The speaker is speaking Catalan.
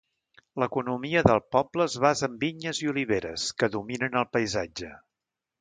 L'economia del poble es basa en vinyes i oliveres, que dominen el paisatge.